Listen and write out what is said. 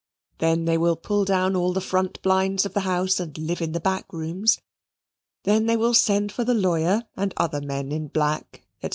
Then they will pull down all the front blinds of the house and live in the back rooms then they will send for the lawyer and other men in black, &c.